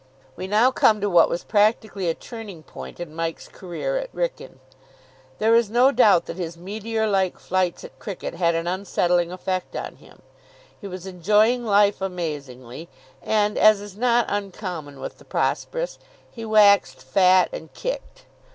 We now come to what was practically a turning point in Mike's career at Wrykyn. There is no doubt that his meteor like flights at cricket had an unsettling effect on him. He was enjoying life amazingly, and, as is not uncommon with the prosperous, he waxed fat and kicked.